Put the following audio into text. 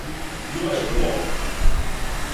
Било је врло опасно.